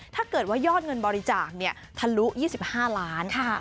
ถ้าเกิดว่ายอดเงินบริจาคทะลุ๒๕ล้าน